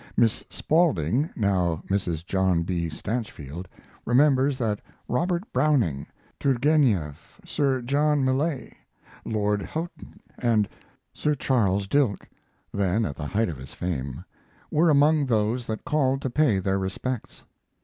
Miss Spaulding (now Mrs. John B. Stanchfield) remembers that Robert Browning, Turgenieff, Sir John Millais, Lord Houghton, and Sir Charles Dilke (then at the height of his fame) were among those that called to pay their respects.